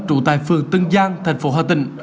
chú tại phường tân giang tp hà tĩnh